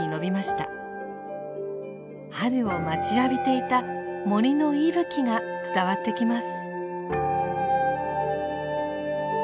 春を待ちわびていた森の息吹が伝わってきます。